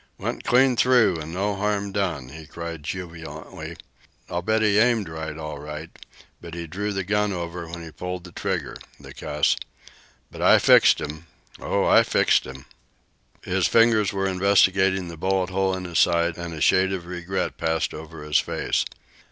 "Went clean through, and no harm done!" he cried jubilantly. "I'll bet he aimed all right all right; but he drew the gun over when he pulled the trigger the cur! But I fixed 'm! Oh, I fixed 'm!" His fingers were investigating the bullet hole in his side, and a shade of regret passed over his face.